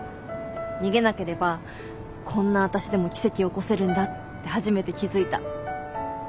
逃げなければこんな私でも奇跡起こせるんだって初めて気付いた。